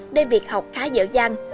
nên việc học khá dở dăng